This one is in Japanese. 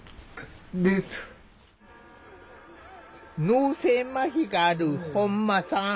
脳性まひがある本間さん。